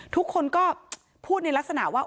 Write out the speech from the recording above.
ทุกคนก็พูดในลักษณะว่า